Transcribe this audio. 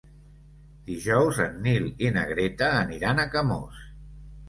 Dijous en Nil i na Greta aniran a Camós.